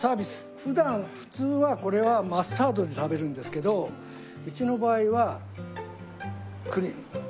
普段普通はこれはマスタードで食べるんですけどうちの場合はクリーム。